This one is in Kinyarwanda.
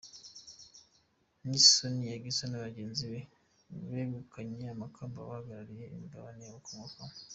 Miss Sonia Gisa na bagenzi be begukanye amakamba bahagarariye imigabane bakomokaho.